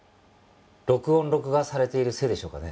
録音・録画されているせいでしょうかね。